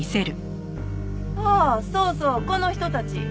ああそうそうこの人たち。